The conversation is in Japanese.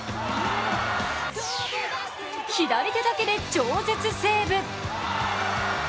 左手だけで超絶セーブ。